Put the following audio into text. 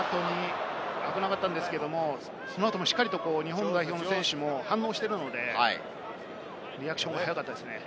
危なかったんですが、その後もしっかり日本代表の選手も反応しているので、リアクションが早かったですね。